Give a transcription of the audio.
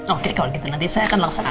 oke kalau gitu nanti saya akan laksanakan